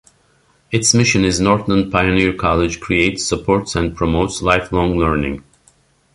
Its mission is Northland Pioneer College creates, supports and promotes lifelong learning.